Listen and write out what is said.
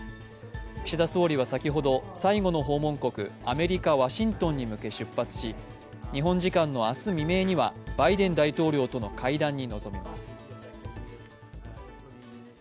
岸田総理は先ほど、最後の訪問国アメリカ・ワシントンに向け出発し日本時間の明日未明にはバイデン大統領との会談に臨みます。